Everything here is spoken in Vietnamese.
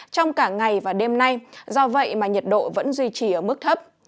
trong cả ngày và đêm nay do vậy mà nhiệt độ vẫn duy trì ở mức thấp